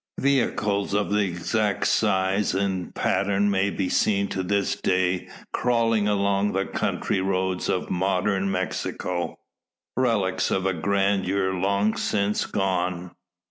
Vehicles of the exact size, and pattern, may be seen to this day crawling along the country roads of modern Mexico relics of a grandeur long since gone.